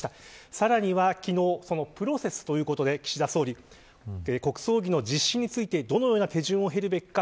さらには昨日プロセスということで岸田総理国葬儀の実施についてどのような手順を経るべきか。